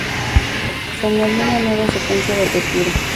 Se añadió una nueva secuencia de apertura.